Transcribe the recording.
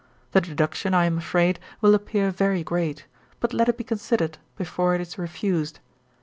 'The deduction, I am afraid, will appear very great: but let it be considered before it is refused.